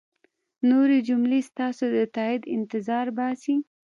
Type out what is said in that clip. نورې جملې ستاسو د تایید انتظار باسي.